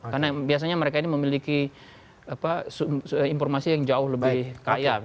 karena biasanya mereka ini memiliki informasi yang jauh lebih kaya